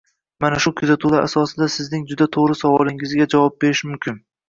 Mana shu kuzatuvlar asosida sizning juda to‘g‘ri savolingizga javob berish mumkin